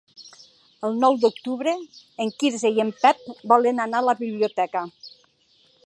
El nou d'octubre en Quirze i en Pep volen anar a la biblioteca.